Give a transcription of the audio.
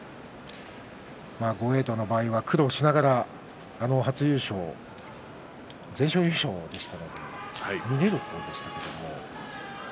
豪栄道の場合は苦労しながら初優勝全勝優勝でしたので逃げる方でしたけれども。